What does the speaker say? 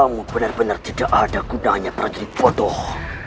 kamu benar benar tidak ada gunanya prajurit bodoh